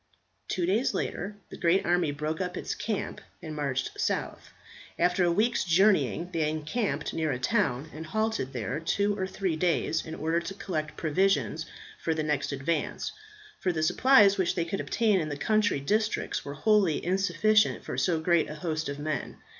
Two days later the great army broke up its camp and marched south. After a week's journeying they encamped near a town, and halted there two or three days in order to collect provisions for the next advance; for the supplies which they could obtain in the country districts were wholly insufficient for so great a host of men.